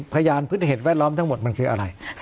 พยานพฤติเหตุแวดล้อมทั้งหมดมันคืออะไร